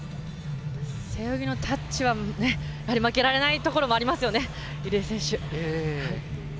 背泳ぎのタッチは、やはり負けられないところはありますよね